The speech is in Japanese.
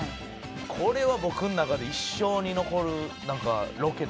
これは僕の中で一生に残るロケというか。